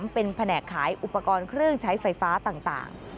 เป็นแผนกขายอุปกรณ์เครื่องใช้ไฟฟ้าต่าง